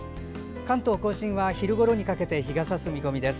関東・甲信は昼ごろにかけて日がさす見込みです。